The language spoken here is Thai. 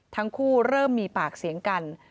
ทั้งคู่เริ่มมีปากเสียงกัน